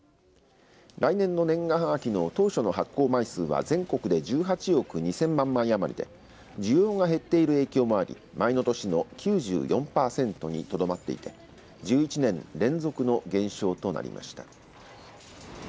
来年の年賀はがきの当初の発行枚数は全国で１８億２０００万枚余りで需要が減っている影響もあり前の年の９４パーセントにとどまっていて１１年連続の減少となりました。